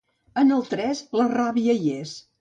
En el tres, la ràbia hi és.